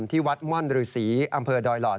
ที่วัดมวลหรือศรีอำเภอดอยหลอด